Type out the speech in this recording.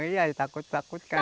iya takut takut kan